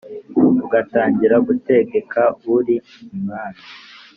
ugatangira gutegeka uri umwami